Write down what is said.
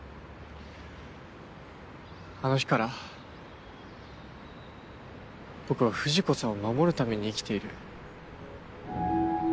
あの日から僕は藤子さんを守るために生きている。